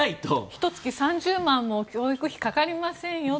ひと月３０万円も教育費かかりませんよと。